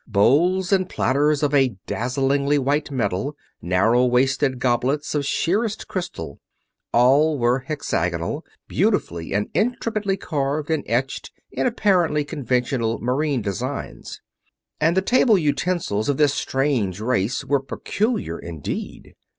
Bowls and platters of a dazzlingly white metal, narrow waisted goblets of sheerest crystal; all were hexagonal, beautifully and intricately carved or etched in apparently conventional marine designs. And the table utensils of this strange race were peculiar indeed.